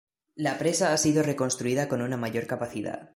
La presa ha sido reconstruida con una mayor capacidad.